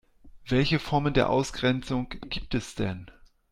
Welche Formen der Ausgrenzung gibt es denn?